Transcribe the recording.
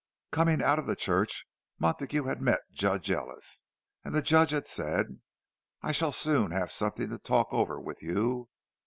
Coming out of the church, Montague had met Judge Ellis; and the Judge had said, "I shall soon have something to talk over with you."